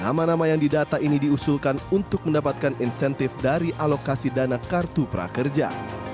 nama nama yang didata ini diusulkan untuk mendapatkan insentif dari alokasi dana kartu prakerja